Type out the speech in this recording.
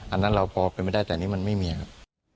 อันนั้นเราพอเป็นไปได้แต่อันนี้มันไม่มีครับ